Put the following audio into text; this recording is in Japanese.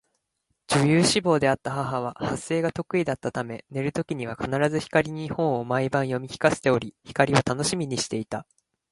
女優志望であった母は発声が得意だったため寝る時には必ず光に本を毎晩読み聞かせており、光は楽しみにしていた